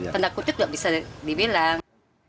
tanda kutip nggak bisa dibilang